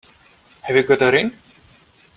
Have you got a ring?